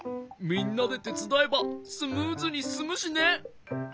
みんなでてつだえばスムーズにすすむしね。